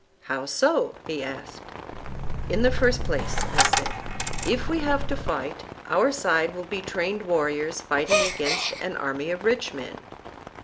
How so? he asked. In the first place, I said, if we have to fight, our side will be trained warriors fighting against an army of rich men.